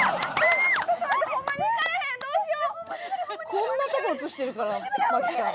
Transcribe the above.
こんなとこ映してるから麻貴さん。